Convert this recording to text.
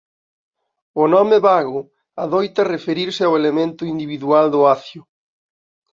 O nome bago adoita referirse ao elemento individual do acio.